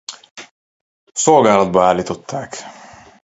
Szolgálatba állították.